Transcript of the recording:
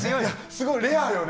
すごいレアよね。